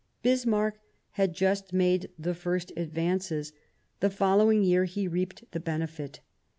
Bismarck had just made the first advances ; the following year he reaped the benefit.